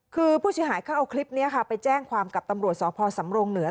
คือผู้เสียหายเขาเอาคลิปนี้ค่ะไปแจ้งความกับตำรวจสพสำรงเหนือ